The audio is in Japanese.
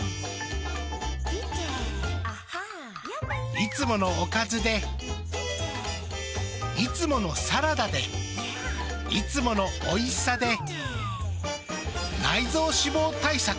いつものおかずでいつものサラダでいつものおいしさで内臓脂肪対策。